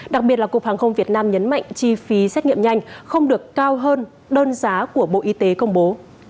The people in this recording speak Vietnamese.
đặc biệt là cục hàng không việt nam nhấn mạnh chi phí xét nghiệm nhanh không được cao hơn đơn giá của bộ y tế công bố